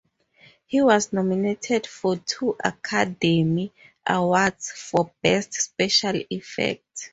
He was nominated for two Academy Awards for Best Special Effects.